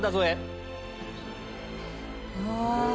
うわ！